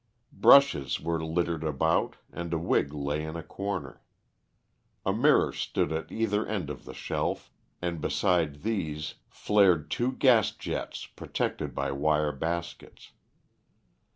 Brushes were littered about, and a wig lay in a corner. A mirror stood at either end of the shelf, and beside these, flared two gas jets protected by wire baskets.